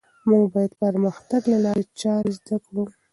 موږ باید د پرمختګ لارې چارې زده کړو.